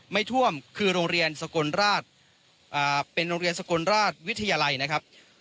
ไม่ท่วมคือโรงเรียนสกลราชเป็นโรงเรียนสกลราชวิทยาลัยนะครับ